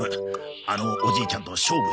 あのおじいちゃんと勝負してくれ。